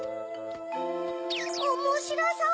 おもしろそう！